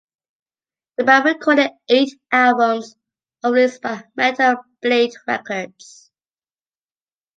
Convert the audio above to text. The band recorded eight albums, all released by Metal Blade Records.